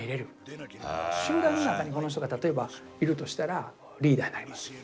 集団の中にこの人が例えばいるとしたらリーダーになります。